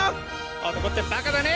男ってバカだね！